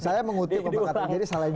saya mengutip kebekataan jadi salah ini